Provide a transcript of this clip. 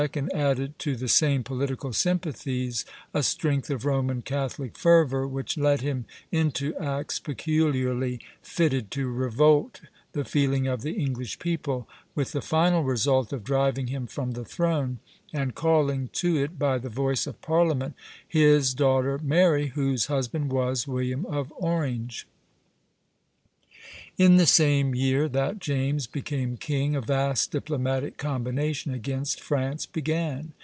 added to the same political sympathies a strength of Roman Catholic fervor which led him into acts peculiarly fitted to revolt the feeling of the English people, with the final result of driving him from the throne, and calling to it, by the voice of Parliament, his daughter Mary, whose husband was William of Orange. In the same year that James became king, a vast diplomatic combination against France began.